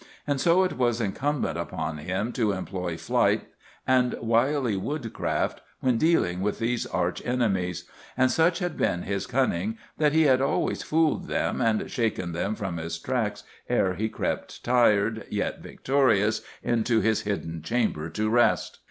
And so it was incumbent upon him to employ flight and wily woodcraft when dealing with these arch enemies, and such had been his cunning that he had always fooled them and shaken them from his tracks ere he crept tired, yet victorious, into his hidden chamber to rest.